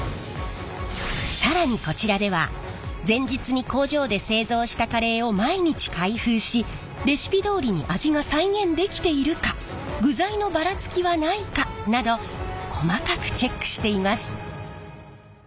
更にこちらでは前日に工場で製造したカレーを毎日開封しレシピどおりに味が再現できているか具材のばらつきはないかなど細かくチェックしています。